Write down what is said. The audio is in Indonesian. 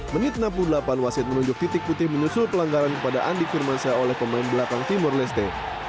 menit enam puluh delapan wasit menunjuk titik putih menyusul pelanggaran kepada andi firmansyah oleh pemain belakang timur leste